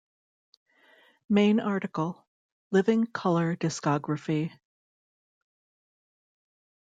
"Main article: Living Colour discography"